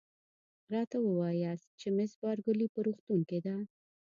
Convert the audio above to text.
راته ووایاست چي مس بارکلي په روغتون کې ده؟